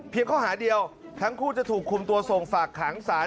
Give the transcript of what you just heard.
ข้อหาเดียวทั้งคู่จะถูกคุมตัวส่งฝากขังสาร